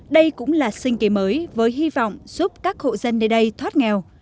đây cũng là sinh kế mới với hy vọng giúp các hộ dân nơi đây thoát nghèo